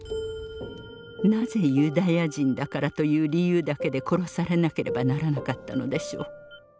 なぜユダヤ人だからという理由だけで殺されなければならなかったのでしょう。